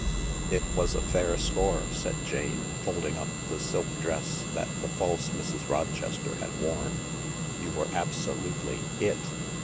..."" It was a fair score," said Jane, folding up the silk dress that the false Mrs. Rochester had worn. " You were abso lutely IT.